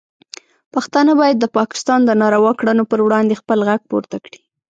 پښتانه باید د پاکستان د ناروا کړنو پر وړاندې خپل غږ پورته کړي.